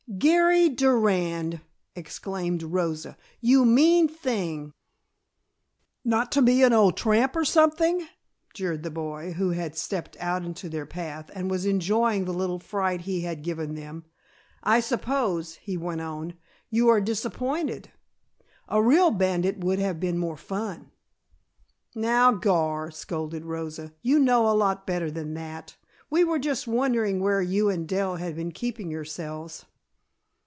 "Garry Durand!" exclaimed Rosa. "You mean thing!" "Not to be an old tramp or something?" jeered the boy, who had stepped out into their path and was enjoying the little fright he had given them. "I suppose," he went on, "you are disappointed. A real bandit would have been more fun." "Now, Gar," scolded Rosa, "you know a lot better than that. We were just wondering where you and Dell had been keeping yourselves."